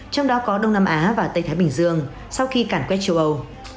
trong đó có đông nam á và tây thái bình dương sau khi cản quét châu âu